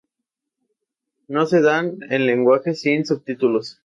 No se dan en lenguajes sin subtipos.